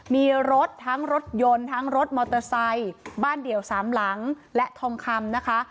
มีรถทั้งรถยนต์รถมอเตอร์ไซค์บ้านเดี่ยว๓หลังและทองคำ